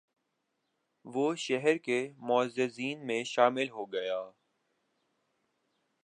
وہ شہر کے معززین میں شامل ہو گیا